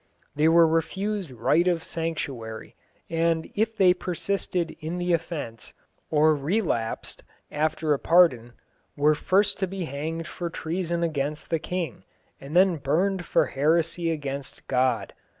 They were refused right of sanctuary, and if they persisted in the offence or relapsed after a pardon were first to be hanged for treason against the King and then burned for heresy against God.